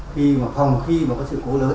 khi mà phòng khi mà có sự cố lớn